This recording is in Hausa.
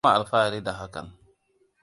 Bama alfahari da hakan.